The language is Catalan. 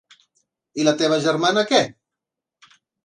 I la teva germana, què?